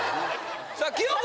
さあ清塚